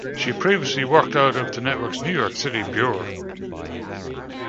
She previously worked out of the network's New York City bureau.